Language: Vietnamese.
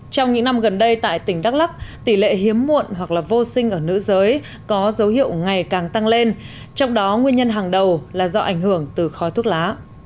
trong những năm gần đây tại tỉnh đắk lắc tỷ lệ hiếm muộn hoặc là vô sinh ở nữ giới có dấu hiệu ngày càng tăng lên trong đó nguyên nhân hàng đầu là do ảnh hưởng từ khói thuốc lá